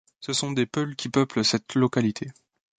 Ce sont des Peulhs qui peuplent cette localité.